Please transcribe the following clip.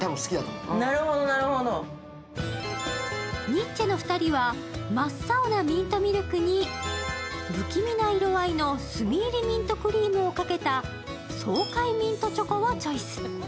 ニッチェの２人は真っ青なミントミルクに不気味な色合いの炭入りミントクリームをかけた爽快ミントチョコをチョイス。